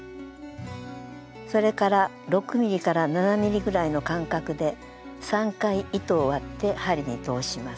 それから６ｍｍから７ｍｍぐらいの間隔で３回糸を割って針に通します。